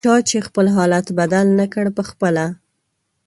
چا چې خپل حالت بدل نکړ پخپله